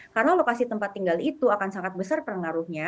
karena lokasi tempat tinggal itu akan sangat besar pengaruhnya